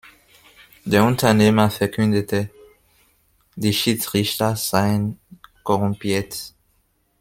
Der Unternehmer verkündete, die Schiedsrichter seien korrumpiert.